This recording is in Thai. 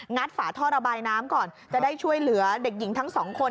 ฝาท่อระบายน้ำก่อนจะได้ช่วยเหลือเด็กหญิงทั้งสองคน